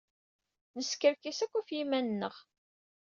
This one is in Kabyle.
Neskerkis akk ɣef yiman-nneɣ.